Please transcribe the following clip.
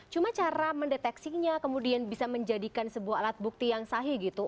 cuma cara mendeteksinya kemudian bisa menjadikan sebuah alat bukti yang sahih gitu